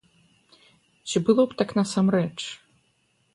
Ці было б так насамрэч?